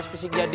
pas fisik jadi